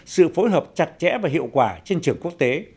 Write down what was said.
sự phối hợp chặt chẽ và hiệu quả trên trường quốc tế